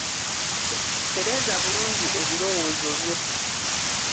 Tereeza bulungi ebirowoozo byo.